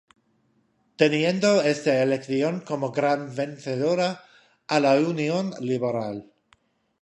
Teniendo esta elección como gran vencedora a la Unión Liberal.